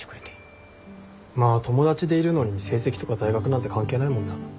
まあ友達でいるのに成績とか大学なんて関係ないもんな。